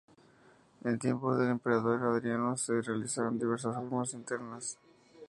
En tiempos del emperador Adriano se realizaron diversas reformas internas.